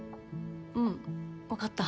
うん分かった。